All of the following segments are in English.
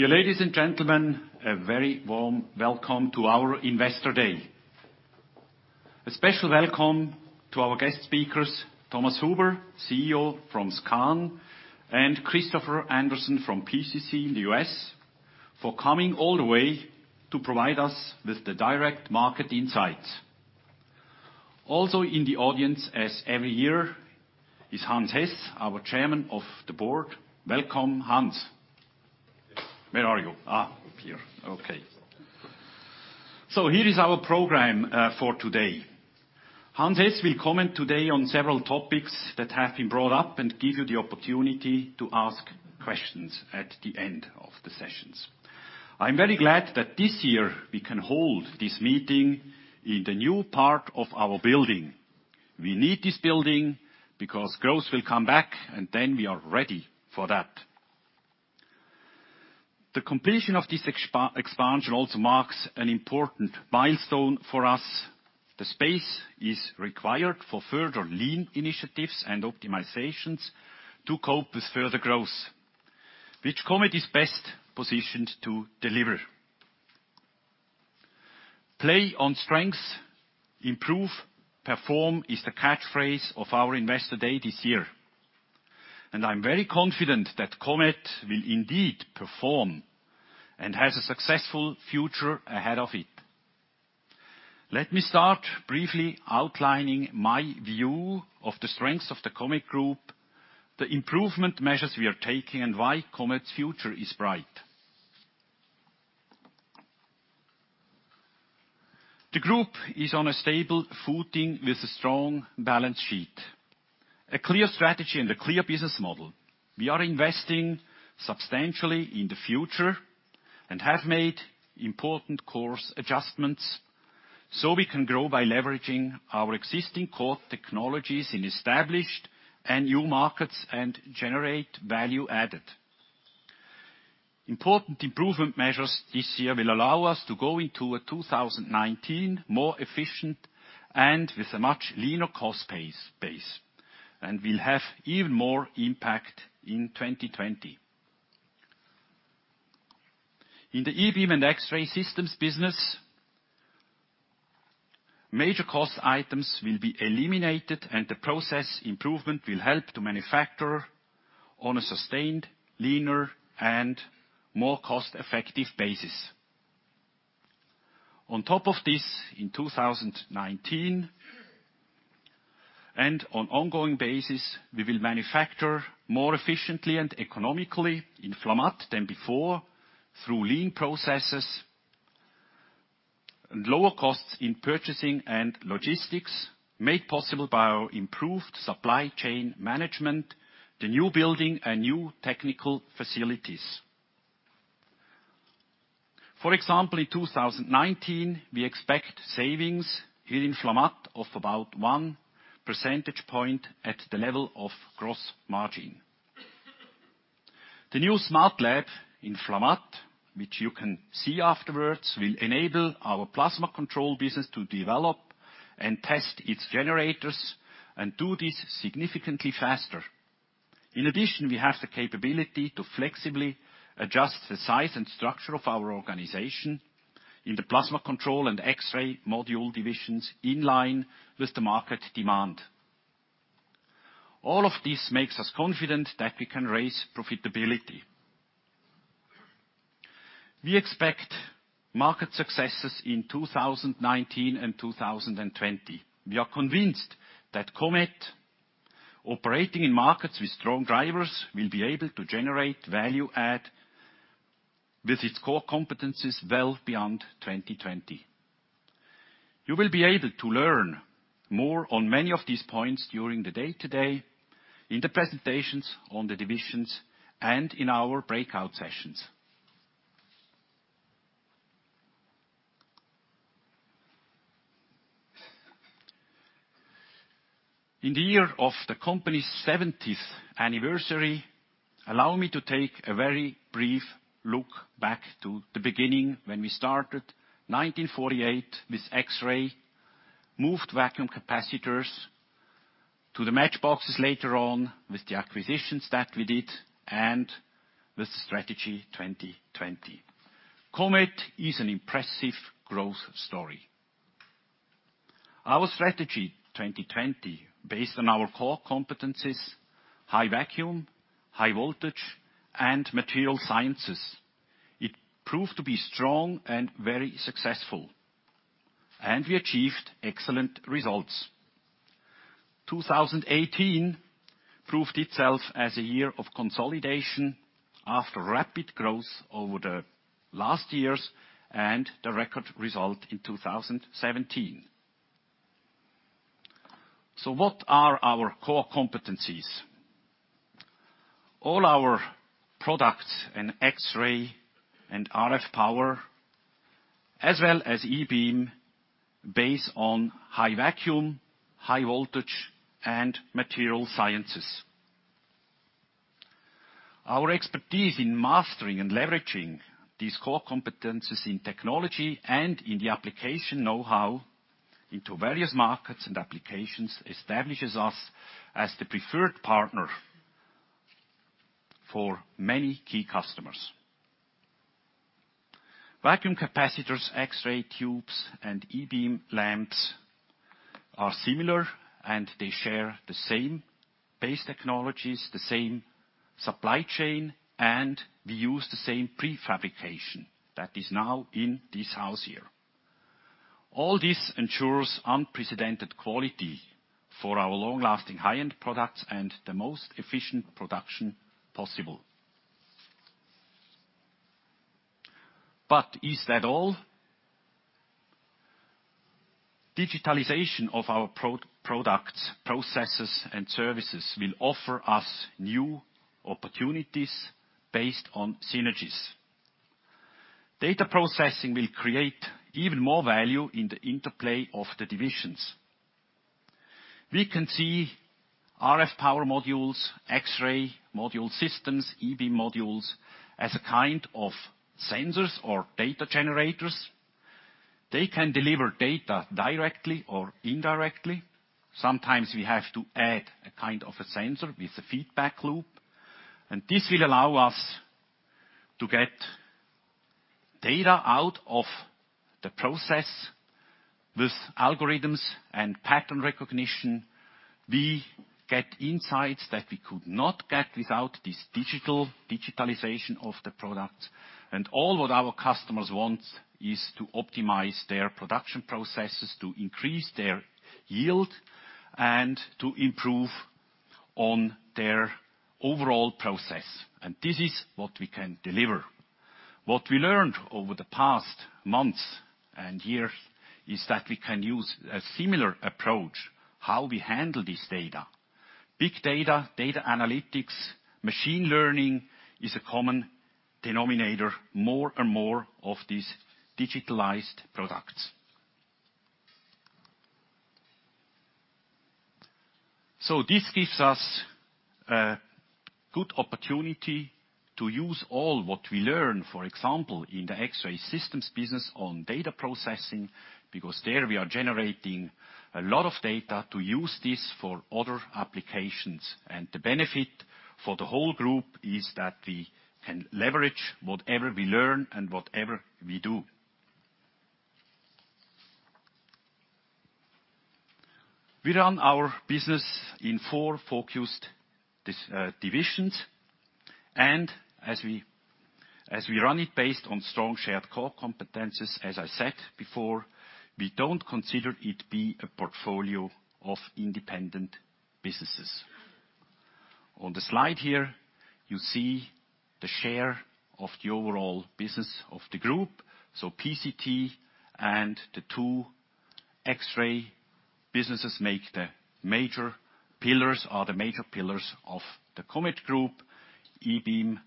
Dear ladies and gentlemen, a very warm welcome to our Investor Day. A special welcome to our guest speakers, Thomas Huber, CEO from SKAN, and Christopher Anderson from PCC in the U.S., for coming all the way to provide us with the direct market insights. Also in the audience, as every year, is Hans Hess, our Chairman of the Board. Welcome, Hans. Where are you? Up here. Okay. Here is our program for today. Hans Hess will comment today on several topics that have been brought up and give you the opportunity to ask questions at the end of the sessions. I'm very glad that this year we can hold this meeting in the new part of our building. We need this building because growth will come back, and then we are ready for that. The completion of this expansion also marks an important milestone for us. The space is required for further lean initiatives and optimizations to cope with further growth, which Comet is best positioned to deliver. Play on strengths, improve perform is the catchphrase of our Investor Day this year. I'm very confident that Comet will indeed perform and has a successful future ahead of it. Let me start briefly outlining my view of the strengths of the Comet Group, the improvement measures we are taking, and why Comet's future is bright. The group is on a stable footing with a strong balance sheet, a clear strategy, and a clear business model. We are investing substantially in the future and have made important course adjustments so we can grow by leveraging our existing core technologies in established and new markets and generate value added. Important improvement measures this year will allow us to go into 2019 more efficient and with a much leaner cost base. Will have even more impact in 2020. In the eBeam and X-Ray Systems business, major cost items will be eliminated, and the process improvement will help to manufacture on a sustained, leaner, and more cost-effective basis. On top of this, in 2019, and on an ongoing basis, we will manufacture more efficiently and economically in Flamatt than before through lean processes and lower costs in purchasing and logistics made possible by our improved supply chain management, the new building, and new technical facilities. For example, in 2019, we expect savings here in Flamatt of about one percentage point at the level of gross margin. The new Smart Lab in Flamatt, which you can see afterwards, will enable our Plasma Control business to develop and test its generators and do this significantly faster. In addition, we have the capability to flexibly adjust the size and structure of our organization in the Plasma Control and X-ray module divisions in line with the market demand. All of this makes us confident that we can raise profitability. We expect market successes in 2019 and 2020. We are convinced that Comet, operating in markets with strong drivers, will be able to generate value add with its core competencies well beyond 2020. You will be able to learn more on many of these points during the day today in the presentations on the divisions and in our breakout sessions. In the year of the company's 70th anniversary, allow me to take a very brief look back to the beginning when we started 1948 with X-ray, moved vacuum capacitors to the matchboxes later on with the acquisitions that we did, and with Strategy 2020. Our Strategy 2020, based on our core competencies, high vacuum, high voltage, and material sciences, proved to be strong and very successful. We achieved excellent results. 2018 proved itself as a year of consolidation after rapid growth over the last years and the record result in 2017. What are our core competencies? All our products in X-ray and RF power, as well as eBeam base on high vacuum, high voltage, and material sciences. Our expertise in mastering and leveraging these core competencies in technology and in the application know-how into various markets and applications establishes us as the preferred partner for many key customers. Vacuum capacitors, X-ray tubes, and ebeam lamps are similar, and they share the same base technologies, the same supply chain, and we use the same pre-fabrication that is now in this house here. All this ensures unprecedented quality for our long-lasting high-end products and the most efficient production possible. Is that all? Digitalization of our products, processes, and services will offer us new opportunities based on synergies. Data processing will create even more value in the interplay of the divisions. We can see RF power modules, X-ray module systems, ebeam modules as a kind of sensors or data generators. They can deliver data directly or indirectly. Sometimes we have to add a kind of a sensor with a feedback loop, and this will allow us to get data out of the process. With algorithms and pattern recognition, we get insights that we could not get without this digitalization of the product. All what our customers want is to optimize their production processes to increase their yield and to improve on their overall process. This is what we can deliver. What we learned over the past months and years is that we can use a similar approach, how we handle this data. Big data analytics, machine learning is a common denominator more and more of these digitalized products. This gives us a good opportunity to use all what we learn, for example, in the X-Ray Systems business on data processing, because there we are generating a lot of data to use this for other applications. The benefit for the whole group is that we can leverage whatever we learn and whatever we do. We run our business in four focused divisions. As we run it based on strong shared core competencies, as I said before, we don't consider it be a portfolio of independent businesses. On the slide here, you see the share of the overall business of the group. PCT and the two X-ray businesses make the major pillars, are the major pillars of the Comet Group, eBeam,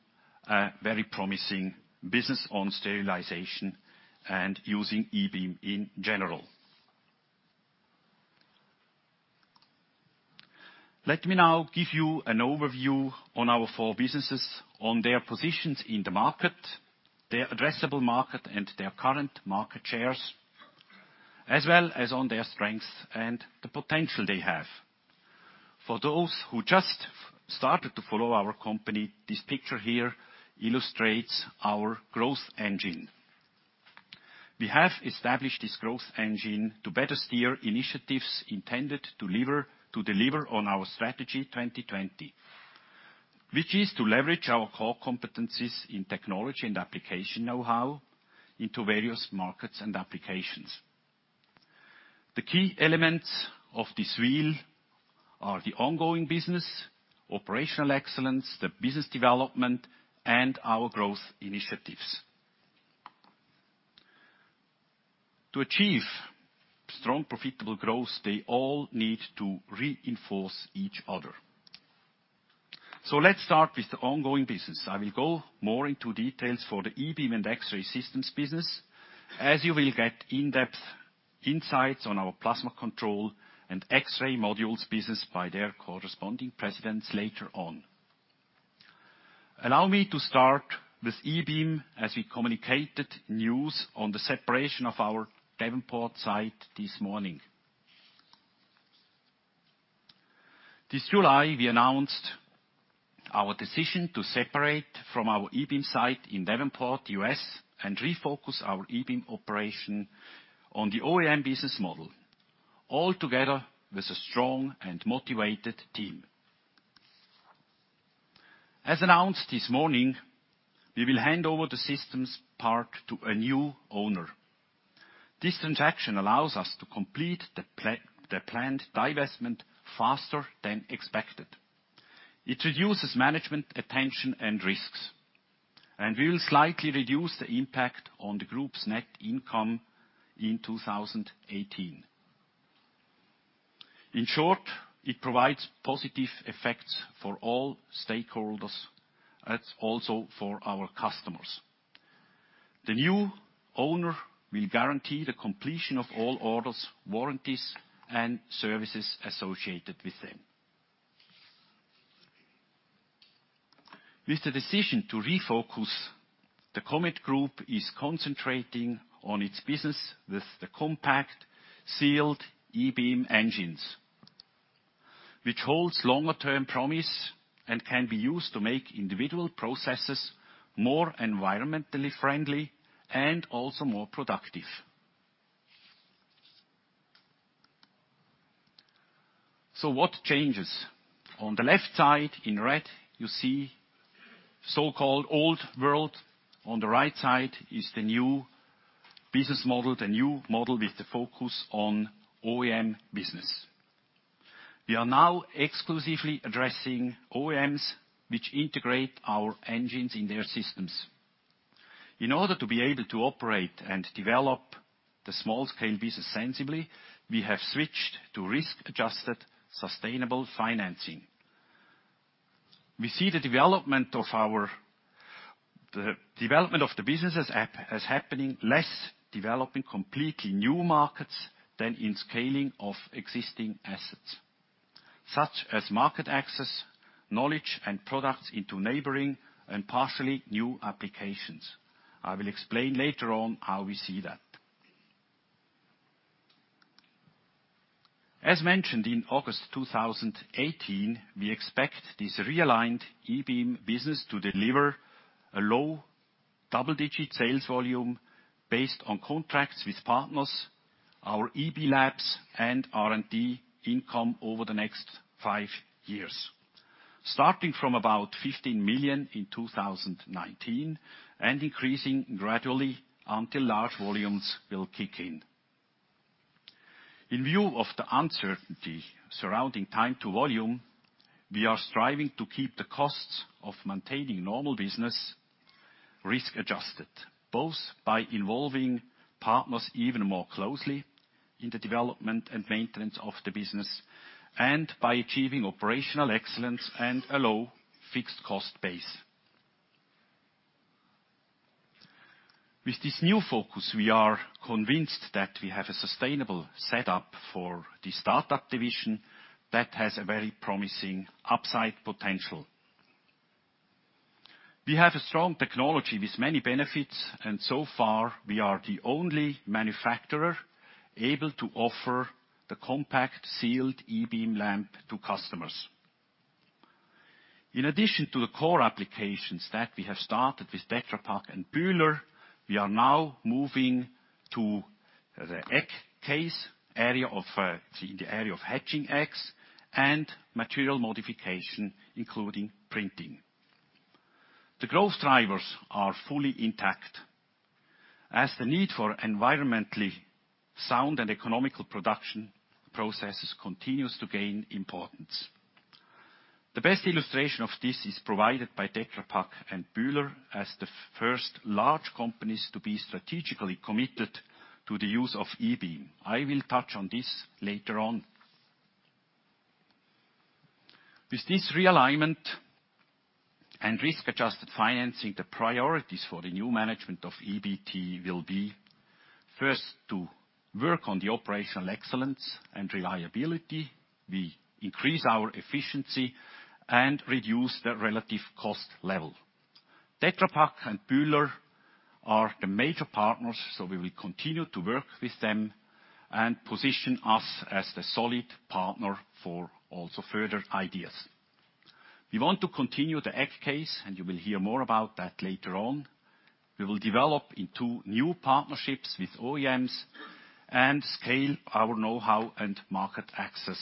a very promising business on sterilization and using ebeam in general. Let me now give you an overview on our four businesses, on their positions in the market, their addressable market, and their current market shares, as well as on their strengths and the potential they have. For those who just started to follow our company, this picture here illustrates our growth engine. We have established this growth engine to better steer initiatives intended to deliver on our Strategy 2020, which is to leverage our core competencies in technology and application knowhow into various markets and applications. The key elements of this wheel are the ongoing business, operational excellence, the business development, and our growth initiatives. To achieve strong, profitable growth, they all need to reinforce each other. Let's start with the ongoing business. I will go more into details for the eBeam and X-Ray Systems business, as you will get in-depth insights on our plasma control and X-ray modules business by their corresponding presidents later on. Allow me to start with eBeam, as we communicated news on the separation of our Davenport site this morning. This July, we announced our decision to separate from our eBeam site in Davenport, U.S., and refocus our eBeam operation on the OEM business model, all together with a strong and motivated team. As announced this morning, we will hand over the systems part to a new owner. This transaction allows us to complete the planned divestment faster than expected. It reduces management attention and risks, and will slightly reduce the impact on the group's net income in 2018. In short, it provides positive effects for all stakeholders, and also for our customers. The new owner will guarantee the completion of all orders, warranties, and services associated with them. With the decision to refocus, the Comet Group is concentrating on its business with the compact sealed eBeam engines, which holds longer-term promise and can be used to make individual processes more environmentally friendly and also more productive. What changes? On the left side in red, you see so-called old world. On the right side is the new business model, the new model with the focus on OEM business. We are now exclusively addressing OEMs which integrate our engines in their systems. In order to be able to operate and develop the small-scale business sensibly, we have switched to risk-adjusted sustainable financing. We see the development of the businesses as happening less, developing completely new markets than in scaling of existing assets, such as market access, knowledge, and products into neighboring and partially new applications. I will explain later on how we see that. As mentioned in August 2018, we expect this realigned eBeam business to deliver a low double-digit sales volume based on contracts with partners, our EB Labs, and R&D income over the next five years. Starting from about 15 million in 2019, and increasing gradually until large volumes will kick in. In view of the uncertainty surrounding time to volume, we are striving to keep the costs of maintaining normal business risk-adjusted, both by involving partners even more closely in the development and maintenance of the business, and by achieving operational excellence and a low fixed cost base. With this new focus, we are convinced that we have a sustainable setup for the startup division that has a very promising upside potential. We have a strong technology with many benefits, and so far, we are the only manufacturer able to offer the compact sealed eBeam lamp to customers. In addition to the core applications that we have started with Tetra Pak and Bühler, we are now moving to the egg case in the area of hatching eggs and material modification, including printing. The growth drivers are fully intact, as the need for environmentally sound and economical production processes continues to gain importance. The best illustration of this is provided by Tetra Pak and Bühler as the first large companies to be strategically committed to the use of eBeam. I will touch on this later on. With this realignment and risk-adjusted financing, the priorities for the new management of EBT will be, first, to work on the operational excellence and reliability. We increase our efficiency and reduce the relative cost level. Tetra Pak and Bühler are the major partners, so we will continue to work with them and position us as the solid partner for also further ideas. We want to continue the egg case, and you will hear more about that later on. We will develop into new partnerships with OEMs and scale our know-how and market access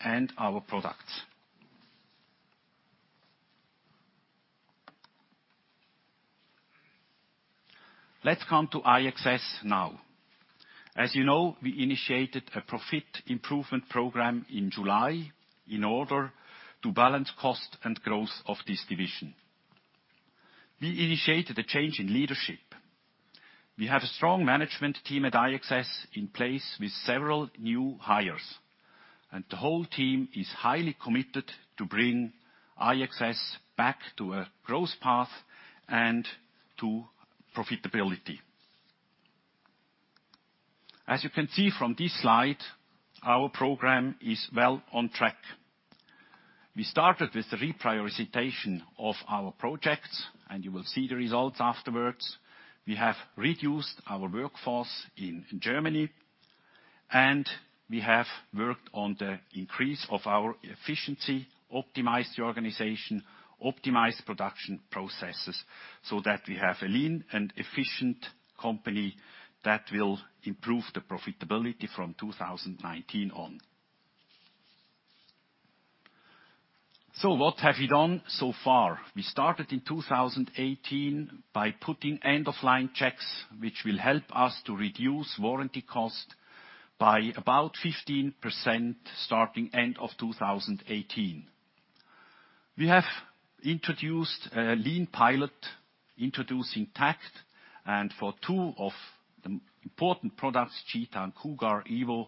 and our products. Let's come to IXS now. As you know, we initiated a profit improvement program in July in order to balance cost and growth of this division. We initiated a change in leadership. We have a strong management team at IXS in place with several new hires, and the whole team is highly committed to bring IXS back to a growth path and to profitability. As you can see from this slide, our program is well on track. We started with the reprioritization of our projects, and you will see the results afterwards. We have reduced our workforce in Germany, and we have worked on the increase of our efficiency, optimized the organization, optimized production processes that we have a lean and efficient company that will improve the profitability from 2019 on. What have we done so far? We started in 2018 by putting end-of-line checks, which will help us to reduce warranty cost by about 15% starting end of 2018. We have introduced a lean pilot introducing takt, and for two of the important products, Cheetah and Cougar EVO,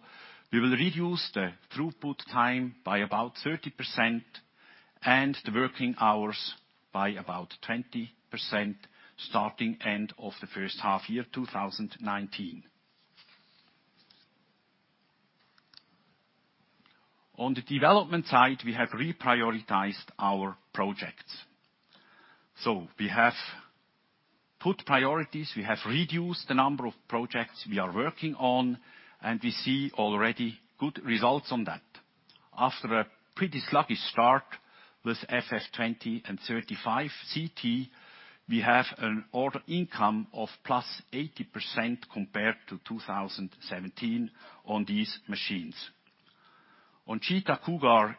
we will reduce the throughput time by about 30% and the working hours by about 20% starting end of the first half year 2019. On the development side, we have reprioritized our projects. We have put priorities, we have reduced the number of projects we are working on, and we see already good results on that. After a pretty sluggish start with FF20 and 35 CT, we have an order income of +80% compared to 2017 on these machines. On Cheetah and Cougar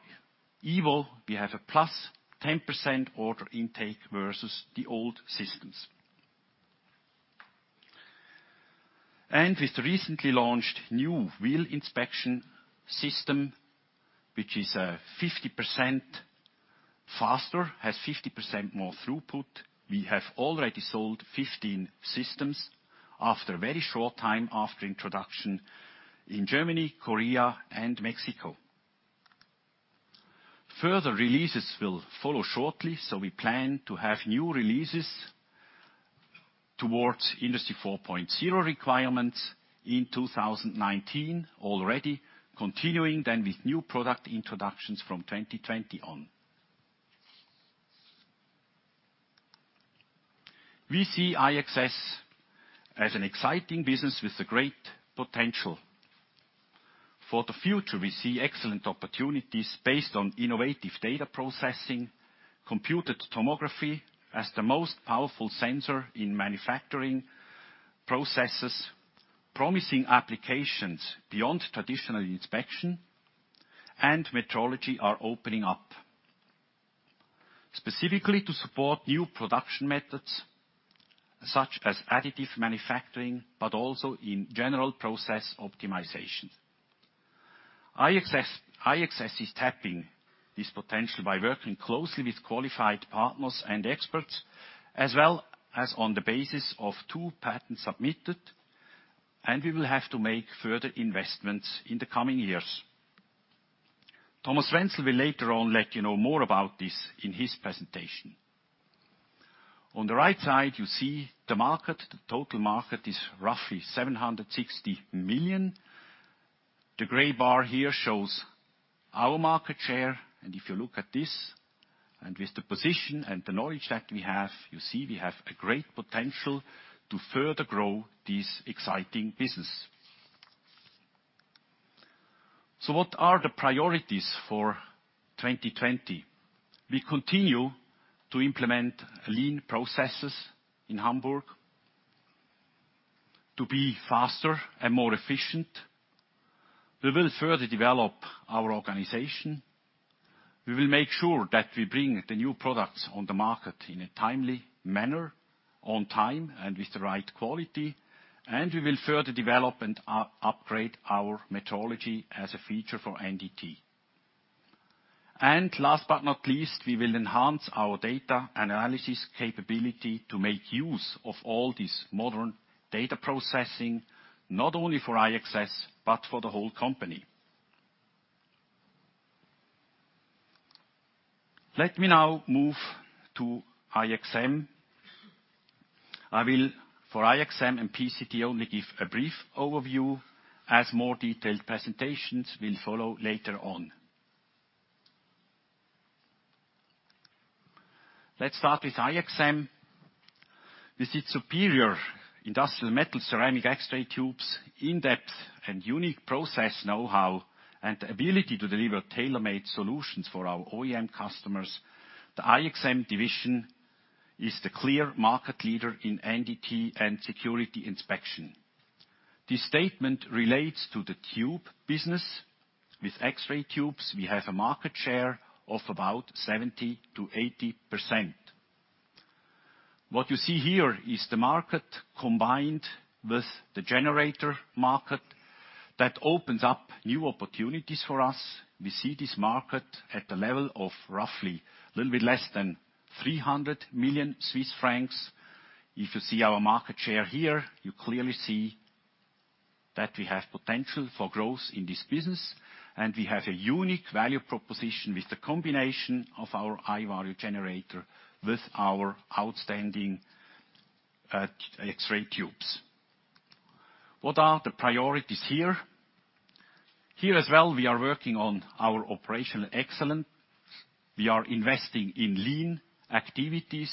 EVO, we have a +10% order intake versus the old systems. And with the recently launched new wheel inspection system, which is 50% faster, has 50% more throughput. We have already sold 15 systems after a very short time after introduction in Germany, Korea, and Mexico. Further releases will follow shortly. We plan to have new releases towards Industry 4.0 requirements in 2019 already, continuing with new product introductions from 2020 on. We see IXS as an exciting business with great potential. For the future, we see excellent opportunities based on innovative data processing, computed tomography as the most powerful sensor in manufacturing processes, promising applications beyond traditional inspection, and metrology are opening up. Specifically to support new production methods such as additive manufacturing, also in general process optimization. IXS is tapping this potential by working closely with qualified partners and experts, as well as on the basis of two patents submitted, and we will have to make further investments in the coming years. Thomas Renz will later on let you know more about this in his presentation. On the right side, you see the market. The total market is roughly 760 million. The gray bar here shows our market share. If you look at this, with the position and the knowledge that we have, you see we have a great potential to further grow this exciting business. What are the priorities for 2020? We continue to implement lean processes in Hamburg to be faster and more efficient. We will further develop our organization. We will make sure that we bring the new products on the market in a timely manner, on time, and with the right quality. We will further develop and upgrade our metrology as a feature for NDT. Last but not least, we will enhance our data analysis capability to make use of all this modern data processing, not only for IXS but for the whole company. Let me now move to IXM. I will, for IXM and PCT, only give a brief overview, as more detailed presentations will follow later on. Let's start with IXM. This is superior industrial metal ceramic X-ray tubes, in-depth and unique process knowhow, and ability to deliver tailor-made solutions for our OEM customers. The IXM division is the clear market leader in NDT and security inspection. This statement relates to the tube business. With X-ray tubes, we have a market share of about 70%-80%. What you see here is the market combined with the generator market that opens up new opportunities for us. We see this market at the level of roughly a little bit less than 300 million Swiss francs. If you see our market share here, you clearly see that we have potential for growth in this business, we have a unique value proposition with the combination of our iVario generator with our outstanding X-ray tubes. What are the priorities here? Here as well, we are working on our operational excellence. We are investing in lean activities.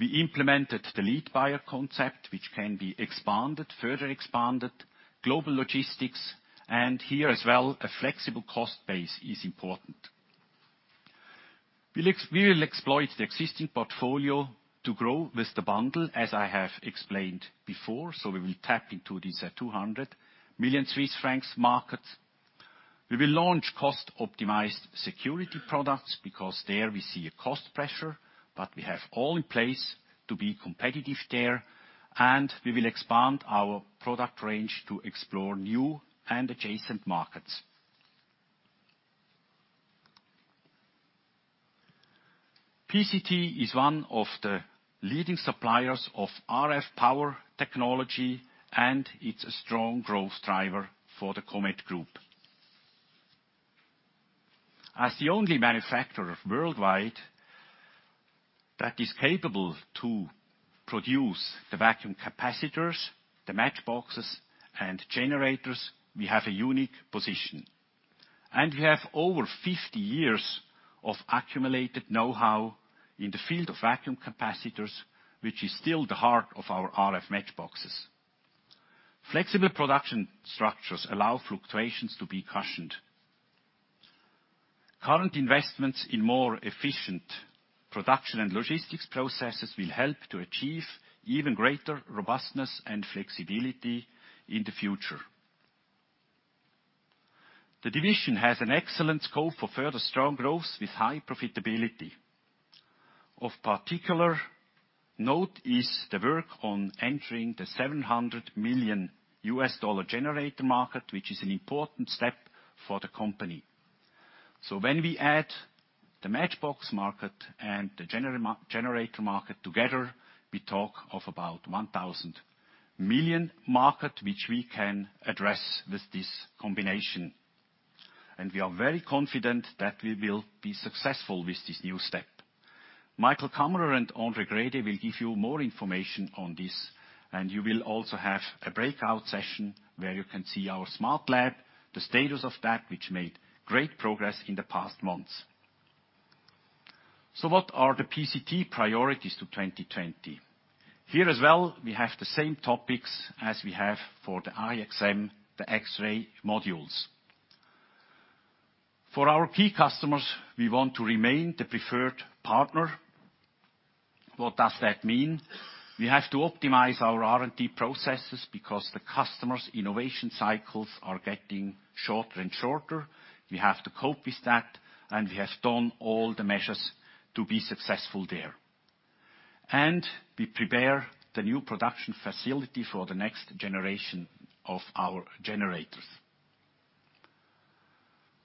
We implemented the lead buyer concept, which can be further expanded. Global logistics, here as well, a flexible cost base is important. We will exploit the existing portfolio to grow with the bundle, as I have explained before. We will tap into this 200 million Swiss francs market. We will launch cost-optimized security products because there we see a cost pressure, we have all in place to be competitive there. We will expand our product range to explore new and adjacent markets. PCT is one of the leading suppliers of RF power technology, and it's a strong growth driver for the Comet Group. As the only manufacturer worldwide that is capable to produce the vacuum capacitors, the matchboxes, and generators. We have a unique position. We have over 50 years of accumulated know-how in the field of vacuum capacitors, which is still the heart of our RF matchboxes. Flexible production structures allow fluctuations to be cushioned. Current investments in more efficient production and logistics processes will help to achieve even greater robustness and flexibility in the future. The division has an excellent scope for further strong growth with high profitability. Of particular note is the work on entering the CHF 700 million generator market, which is an important step for the company. When we add the matchbox market and the generator market together, we talk of about 1,000 million market, which we can address with this combination. We are very confident that we will be successful with this new step. Michael Kammerer and André Grede will give you more information on this, and you will also have a breakout session where you can see our Smart Lab, the status of that, which made great progress in the past months. What are the PCT priorities to 2020? Here as well, we have the same topics as we have for the IXM, the X-ray modules. For our key customers, we want to remain the preferred partner. What does that mean? We have to optimize our R&D processes because the customers' innovation cycles are getting shorter and shorter. We have to cope with that, and we have done all the measures to be successful there. We prepare the new production facility for the next generation of our generators.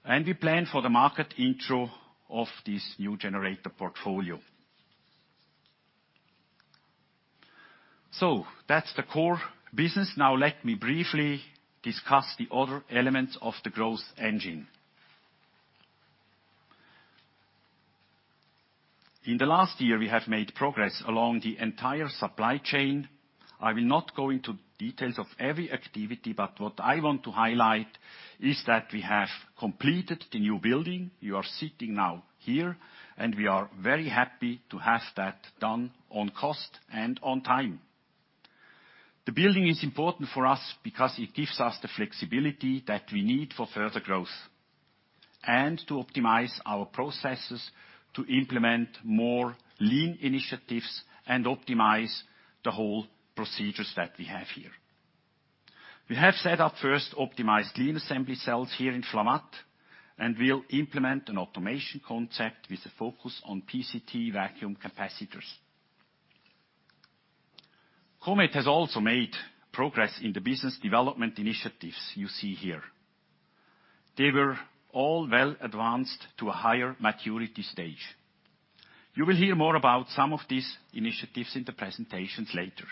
We plan for the market intro of this new generator portfolio. That's the core business. Now let me briefly discuss the other elements of the growth engine. In the last year, we have made progress along the entire supply chain. I will not go into details of every activity, but what I want to highlight is that we have completed the new building. You are sitting now here, and we are very happy to have that done on cost and on time. The building is important for us because it gives us the flexibility that we need for further growth and to optimize our processes to implement more lean initiatives and optimize the whole procedures that we have here. We have set up first optimized lean assembly cells here in Flamatt, and we'll implement an automation concept with a focus on PCT vacuum capacitors. Comet has also made progress in the business development initiatives you see here. They were all well advanced to a higher maturity stage. You will hear more about some of these initiatives in the presentations later.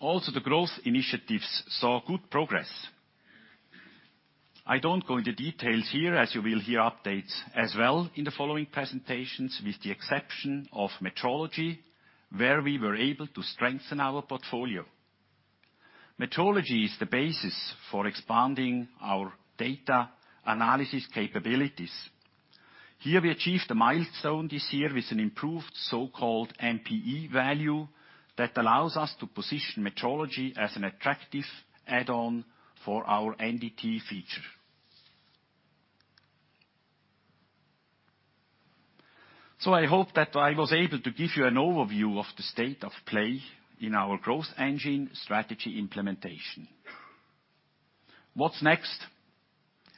Also, the growth initiatives saw good progress. I don't go into details here as you will hear updates as well in the following presentations, with the exception of metrology, where we were able to strengthen our portfolio. Metrology is the basis for expanding our data analysis capabilities. Here, we achieved a milestone this year with an improved so-called MPE value that allows us to position metrology as an attractive add-on for our NDT feature. I hope that I was able to give you an overview of the state of play in our growth engine strategy implementation. What's next?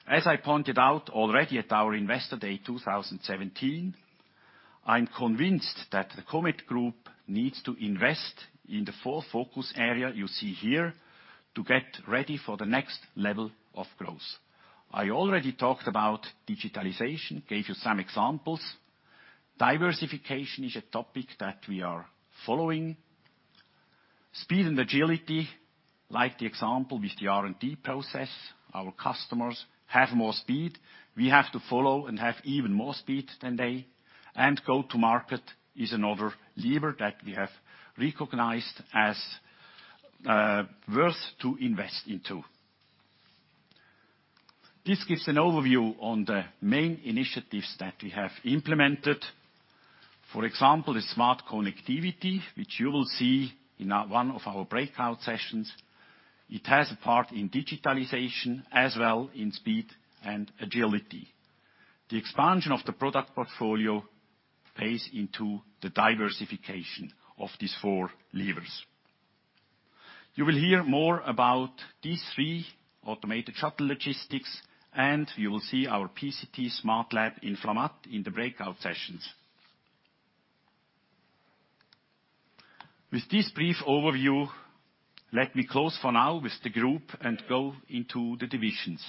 As I pointed out already at our Investor Day 2017, I am convinced that the Comet Group needs to invest in the four focus area you see here to get ready for the next level of growth. I already talked about digitalization, gave you some examples. Diversification is a topic that we are following. Speed and agility, like the example with the R&D process. Our customers have more speed. We have to follow and have even more speed than they. Go to market is another lever that we have recognized as worth to invest into. This gives an overview on the main initiatives that we have implemented. For example, the smart connectivity, which you will see in one of our breakout sessions. It has a part in digitalization as well in speed and agility. The expansion of the product portfolio plays into the diversification of these four levers. You will hear more about these three, automated shuttle logistics, and you will see our PCT Smart Lab in Flamatt in the breakout sessions. With this brief overview, let me close for now with the group and go into the divisions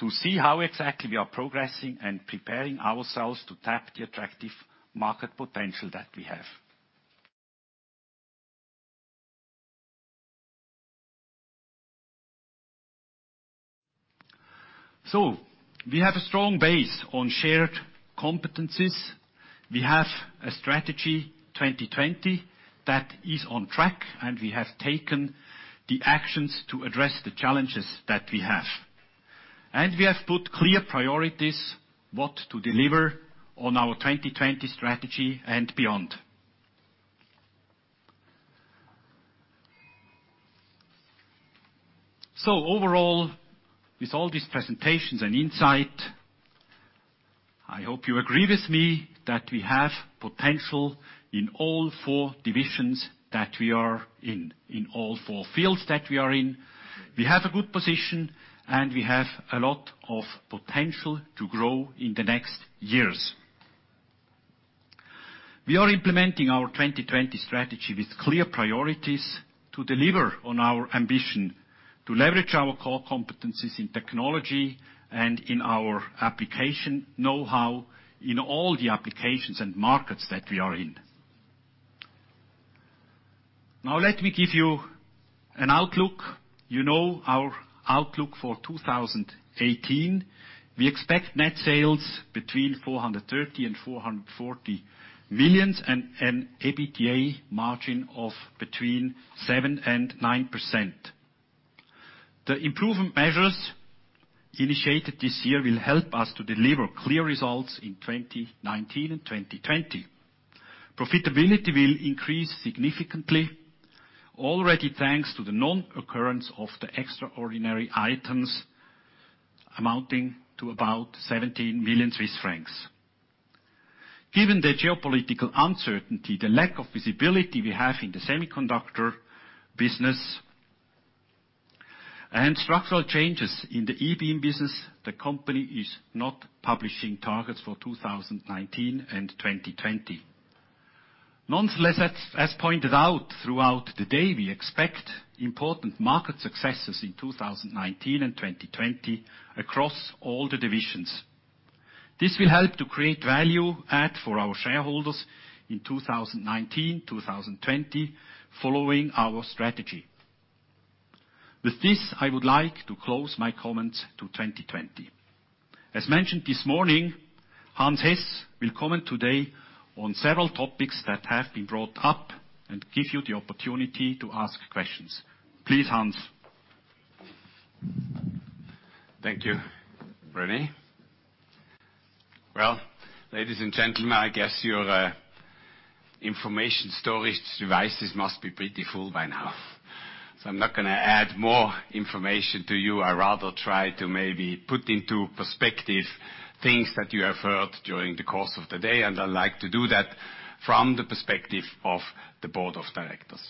to see how exactly we are progressing and preparing ourselves to tap the attractive market potential that we have. We have a strong base on shared competencies. We have a Strategy 2020 that is on track, and we have taken the actions to address the challenges that we have. We have put clear priorities, what to deliver on our Strategy 2020 and beyond. Overall, with all these presentations and insight, I hope you agree with me that we have potential in all four divisions that we are in all four fields that we are in. We have a good position, and we have a lot of potential to grow in the next years. We are implementing our Strategy 2020 with clear priorities to deliver on our ambition to leverage our core competencies in technology and in our application know-how in all the applications and markets that we are in. Let me give you an outlook. You know our outlook for 2018. We expect net sales between 430 million and 440 million, and an EBITDA margin of between 7% and 9%. The improvement measures initiated this year will help us to deliver clear results in 2019 and 2020. Profitability will increase significantly already thanks to the non-occurrence of the extraordinary items amounting to about 17 million Swiss francs. Given the geopolitical uncertainty, the lack of visibility we have in the semiconductor business, and structural changes in the eBeam business, the company is not publishing targets for 2019 and 2020. Nonetheless, as pointed out throughout the day, we expect important market successes in 2019 and 2020 across all the divisions. This will help to create value add for our shareholders in 2019, 2020, following our strategy. With this, I would like to close my comments to 2020. As mentioned this morning, Hans Hess will comment today on several topics that have been brought up and give you the opportunity to ask questions. Please, Hans. Thank you, René. Well, ladies and gentlemen, I guess your information storage devices must be pretty full by now. I'm not going to add more information to you. I rather try to maybe put into perspective things that you have heard during the course of the day. I'd like to do that from the perspective of the board of directors.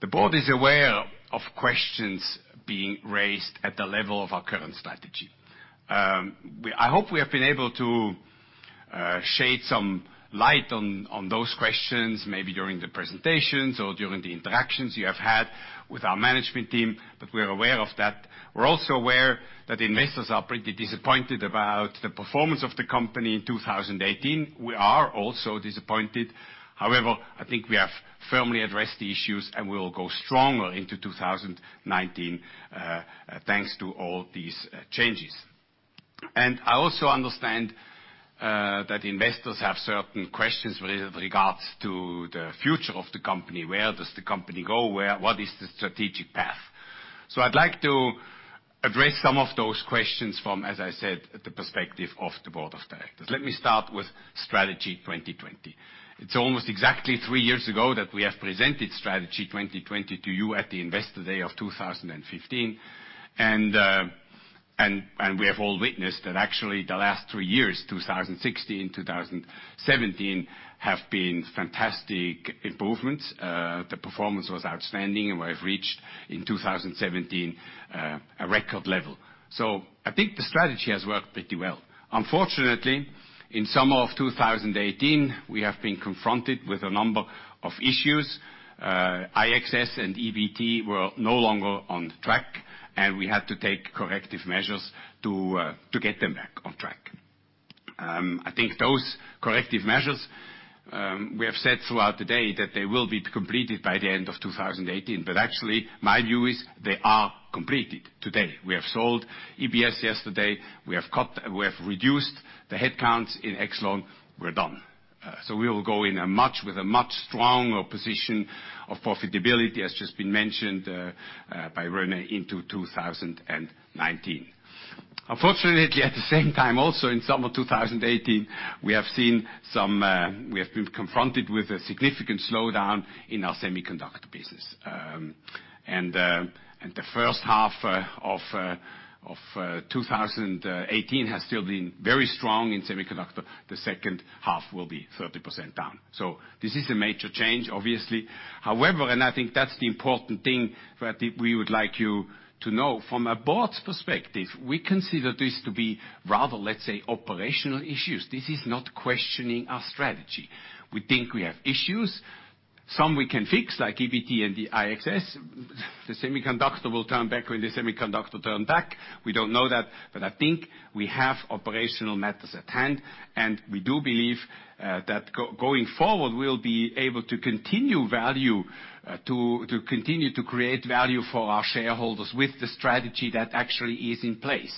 The board is aware of questions being raised at the level of our current strategy. I hope we have been able to shed some light on those questions, maybe during the presentations or during the interactions you have had with our management team, but we're aware of that. We're also aware that investors are pretty disappointed about the performance of the company in 2018. We are also disappointed. I think we have firmly addressed the issues. We will go stronger into 2019, thanks to all these changes. I also understand that investors have certain questions with regards to the future of the company. Where does the company go? What is the strategic path? I'd like to address some of those questions from, as I said, the perspective of the board of directors. Let me start with Strategy 2020. It's almost exactly three years ago that we have presented Strategy 2020 to you at the investor day of 2015. We have all witnessed that actually the last three years, 2016, 2017, have been fantastic improvements. The performance was outstanding. We have reached, in 2017, a record level. I think the strategy has worked pretty well. Unfortunately, in summer of 2018, we have been confronted with a number of issues. IXS and EBT were no longer on track. We had to take corrective measures to get them back on track. I think those corrective measures, we have said throughout the day that they will be completed by the end of 2018. Actually, my view is they are completed today. We have sold EBS yesterday. We have reduced the headcounts in Yxlon. We're done. We will go in with a much stronger position of profitability, as just been mentioned by René, into 2019. Unfortunately, at the same time also in summer 2018, we have been confronted with a significant slowdown in our semiconductor business. The first half of 2018 has still been very strong in semiconductor. The second half will be 30% down. This is a major change, obviously. I think that's the important thing that we would like you to know. From a board's perspective, we consider this to be rather, let's say, operational issues. This is not questioning our strategy. We think we have issues. Some we can fix, like EBT and the IXS. The semiconductor will turn back when the semiconductor turns back. We don't know that, but I think we have operational matters at hand. We do believe that going forward, we'll be able to continue to create value for our shareholders with the strategy that actually is in place.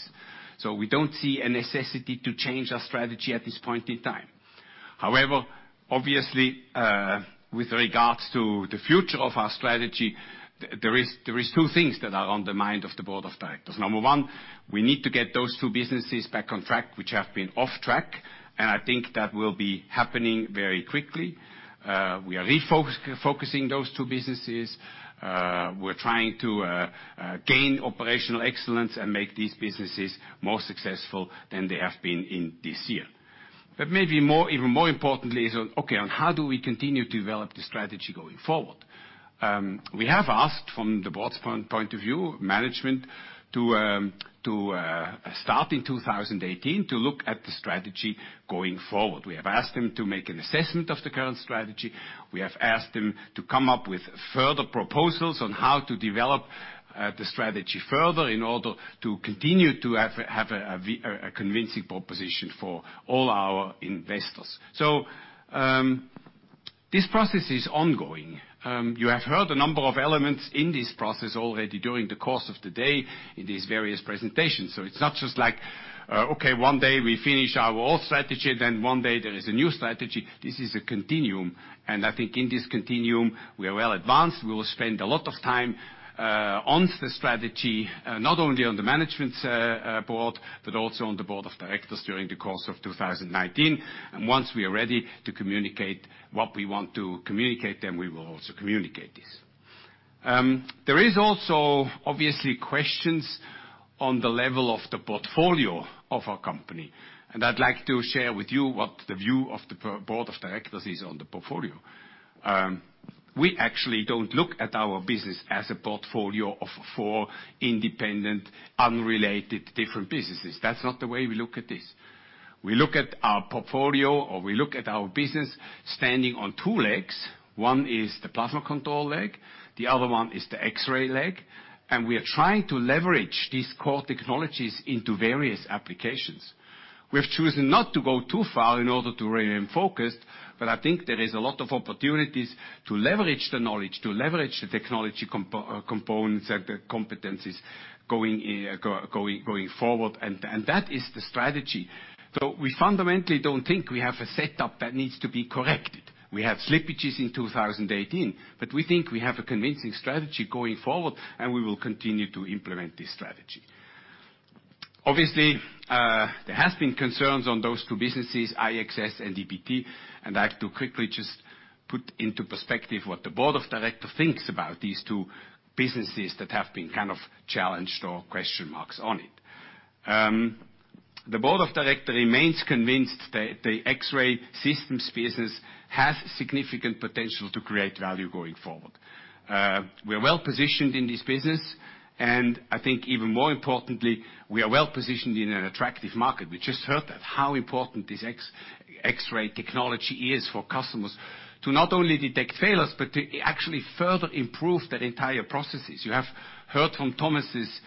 We don't see a necessity to change our strategy at this point in time. Obviously, with regards to the future of our strategy, there is two things that are on the mind of the board of directors. Number one, we need to get those two businesses back on track, which have been off track. I think that will be happening very quickly. We are refocusing those two businesses. We are trying to gain operational excellence and make these businesses more successful than they have been in this year. Maybe even more importantly is how do we continue to develop the strategy going forward? We have asked from the board's point of view, management to, starting 2018, look at the strategy going forward. We have asked them to make an assessment of the current strategy. We have asked them to come up with further proposals on how to develop the strategy further in order to continue to have a convincing proposition for all our investors. This process is ongoing. You have heard a number of elements in this process already during the course of the day in these various presentations. It's not just like one day we finish our old strategy, then one day there is a new strategy. This is a continuum, and I think in this continuum, we are well advanced. We will spend a lot of time on the strategy, not only on the management's board, but also on the board of directors during the course of 2019. Once we are ready to communicate what we want to communicate, then we will also communicate this. There is also obviously questions on the level of the portfolio of our company. I'd like to share with you what the view of the board of directors is on the portfolio. We actually don't look at our business as a portfolio of four independent, unrelated, different businesses. That's not the way we look at this. We look at our portfolio, or we look at our business standing on two legs. One is the Plasma Control leg, the other one is the X-ray leg. We are trying to leverage these core technologies into various applications. We've chosen not to go too far in order to remain focused, but I think there is a lot of opportunities to leverage the knowledge, to leverage the technology components and the competencies going forward. That is the strategy. We fundamentally don't think we have a setup that needs to be corrected. We have slippages in 2018, but we think we have a convincing strategy going forward, and we will continue to implement this strategy. Obviously, there have been concerns on those two businesses, IXS and EBT, and I have to quickly just put into perspective what the board of directors thinks about these two businesses that have been kind of challenged or question marks on it. The board of directors remains convinced that the X-ray Systems business has significant potential to create value going forward. We're well-positioned in this business, and I think even more importantly, we are well-positioned in an attractive market. We just heard that, how important this X-ray technology is for customers to not only detect failures, but to actually further improve their entire processes. You have heard from Thomas'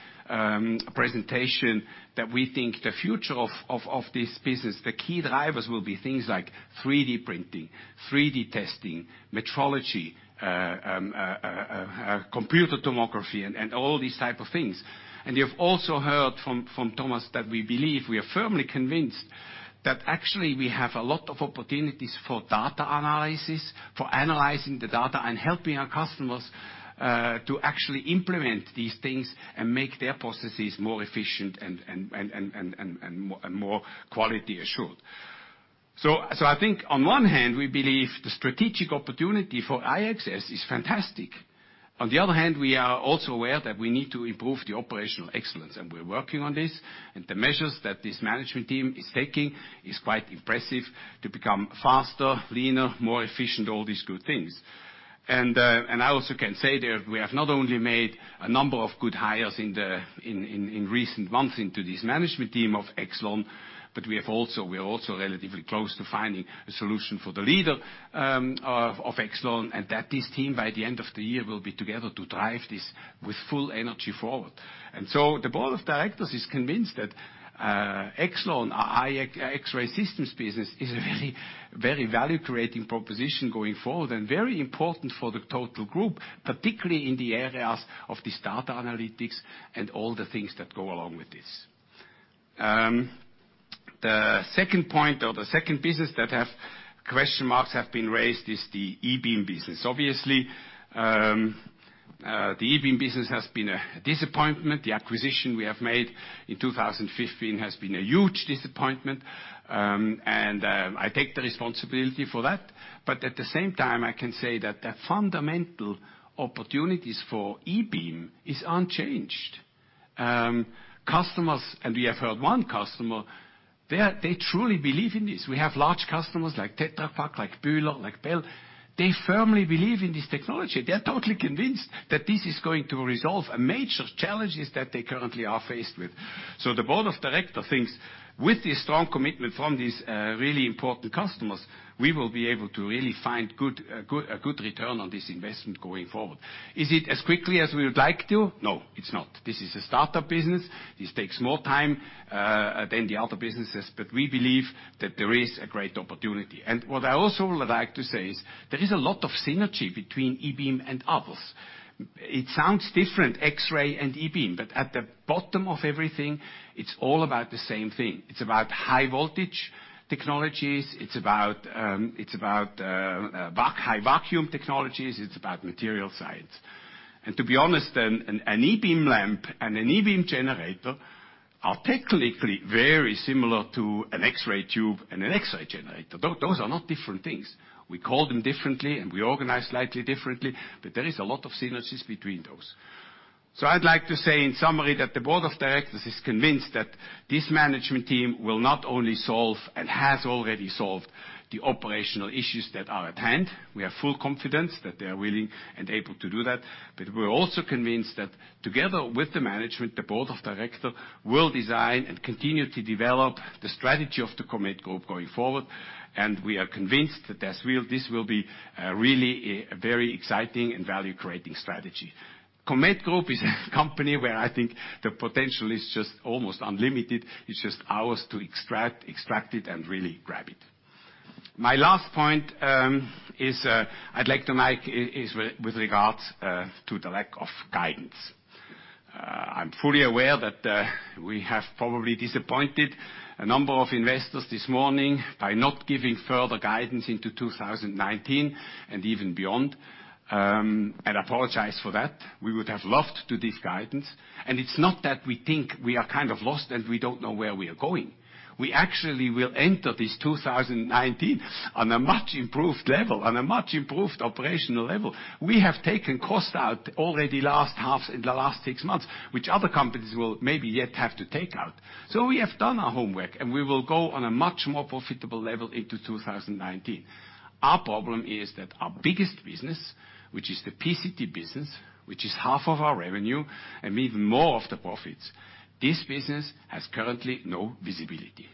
presentation that we think the future of this business, the key drivers will be things like 3D printing, 3D testing, metrology, computed tomography, and all these type of things. You have also heard from Thomas that we believe, we are firmly convinced that actually we have a lot of opportunities for data analysis, for analyzing the data and helping our customers to actually implement these things and make their processes more efficient and more quality assured. I think on one hand, we believe the strategic opportunity for IXS is fantastic. On the other hand, we are also aware that we need to improve the operational excellence, and we're working on this, and the measures that this management team is taking is quite impressive to become faster, leaner, more efficient, all these good things. I also can say that we have not only made a number of good hires in recent months into this management team of Yxlon, but we are also relatively close to finding a solution for the leader of Yxlon, and that this team, by the end of the year, will be together to drive this with full energy forward. The board of directors is convinced that Yxlon, our X-Ray Systems business, is a very value-creating proposition going forward and very important for the total group, particularly in the areas of this data analytics and all the things that go along with this. The second point or the second business that have question marks have been raised is the eBeam business. Obviously, the eBeam business has been a disappointment. The acquisition we have made in 2015 has been a huge disappointment, and I take the responsibility for that. At the same time, I can say that the fundamental opportunities for eBeam is unchanged. Customers, and we have heard one customer. They truly believe in this. We have large customers like Tetra Pak, like Bühler, like Bell. They firmly believe in this technology. They are totally convinced that this is going to resolve major challenges that they currently are faced with. The board of directors thinks with the strong commitment from these really important customers, we will be able to really find a good return on this investment going forward. Is it as quickly as we would like to? No, it's not. This is a startup business. This takes more time than the other businesses. We believe that there is a great opportunity. What I also would like to say is, there is a lot of synergy between eBeam and others. It sounds different, X-ray and eBeam, at the bottom of everything, it's all about the same thing. It's about high voltage technologies. It's about high vacuum technologies. It's about material science. To be honest, an ebeam lamp and an ebeam generator are technically very similar to an X-ray tube and an X-ray generator. Those are not different things. We call them differently, and we organize slightly differently, but there is a lot of synergies between those. I would like to say in summary, that the board of directors is convinced that this management team will not only solve and has already solved the operational issues that are at hand. We have full confidence that they are willing and able to do that. We're also convinced that together with the management, the Board of Directors will design and continue to develop the strategy of the Comet Group going forward. We are convinced that this will be really a very exciting and value-creating strategy. Comet Group is a company where I think the potential is just almost unlimited. It's just ours to extract it and really grab it. My last point I'd like to make is with regards to the lack of guidance. I'm fully aware that we have probably disappointed a number of investors this morning by not giving further guidance into 2019, and even beyond. Apologize for that. We would have loved to this guidance. It's not that we think we are kind of lost, and we don't know where we are going. We actually will enter this 2019 on a much improved level, on a much improved operational level. We have taken costs out already in the last 6 months, which other companies will maybe yet have to take out. We have done our homework, and we will go on a much more profitable level into 2019. Our problem is that our biggest business, which is the PCT business, which is half of our revenue and even more of the profits, this business has currently no visibility.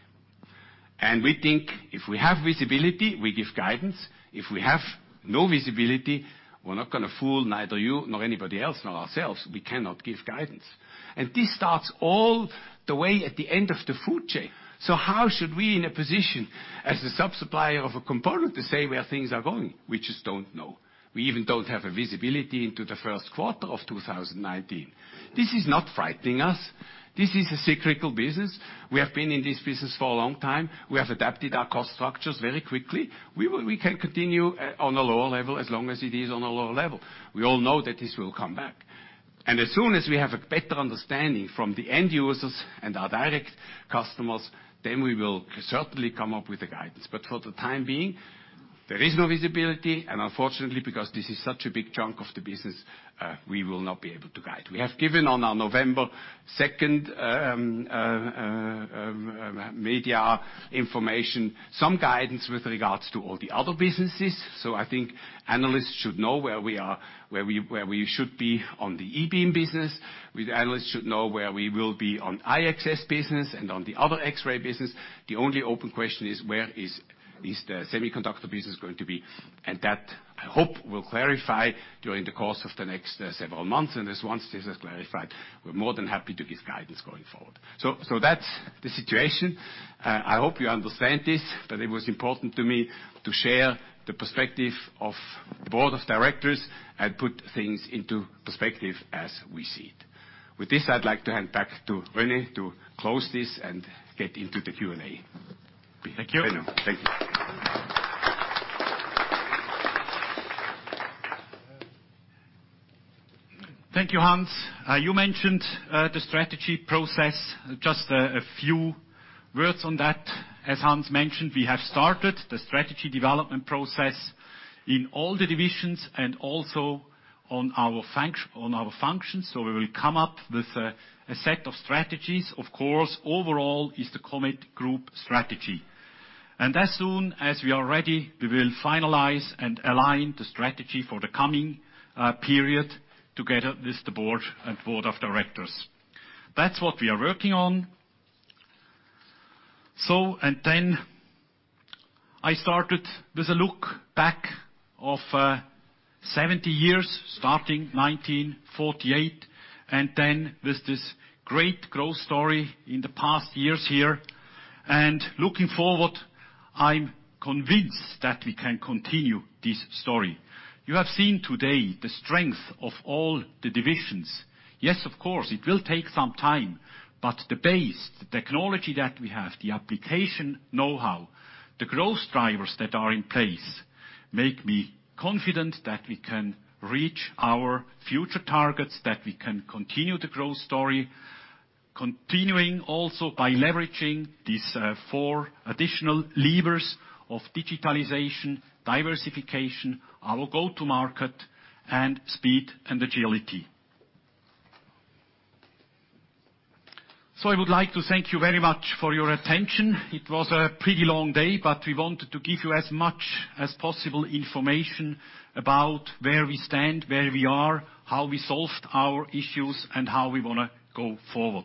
We think if we have visibility, we give guidance. If we have no visibility, we're not going to fool neither you nor anybody else, nor ourselves. We cannot give guidance. This starts all the way at the end of the food chain. How should we, in a position as a sub-supplier of a component, to say where things are going? We just don't know. We even don't have a visibility into the first quarter of 2019. This is not frightening us. This is a cyclical business. We have been in this business for a long time. We have adapted our cost structures very quickly. We can continue on a lower level as long as it is on a lower level. We all know that this will come back. As soon as we have a better understanding from the end users and our direct customers, then we will certainly come up with a guidance. For the time being, there is no visibility, and unfortunately, because this is such a big chunk of the business, we will not be able to guide. We have given on our November 2nd media information some guidance with regards to all the other businesses. I think analysts should know where we should be on the eBeam business. The analysts should know where we will be on IXS business and on the other X-ray business. The only open question is, where is the semiconductor business going to be? That, I hope, will clarify during the course of the next several months. Once this is clarified, we're more than happy to give guidance going forward. That's the situation. I hope you understand this, but it was important to me to share the perspective of Board of Directors and put things into perspective as we see it. With this, I'd like to hand back to René to close this and get into the Q&A. Thank you. Thank you. Thank you, Hans. You mentioned the strategy process. Just a few words on that. As Hans mentioned, we have started the strategy development process in all the divisions and also on our functions. We will come up with a set of strategies. Of course, overall is the Comet Group strategy. As soon as we are ready, we will finalize and align the strategy for the coming period together with the board and board of directors. That's what we are working on. Then I started with a look back of 70 years, starting 1948, and then with this great growth story in the past years here. Looking forward, I'm convinced that we can continue this story. You have seen today the strength of all the divisions. Yes, of course, it will take some time, but the base, the technology that we have, the application knowhow, the growth drivers that are in place, make me confident that we can reach our future targets, that we can continue the growth story. Continuing also by leveraging these four additional levers of digitalization, diversification, our go-to market, and speed and agility. I would like to thank you very much for your attention. It was a pretty long day, but we wanted to give you as much as possible information about where we stand, where we are, how we solved our issues, and how we want to go forward.